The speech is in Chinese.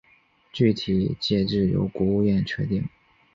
具体界址由国务院确定。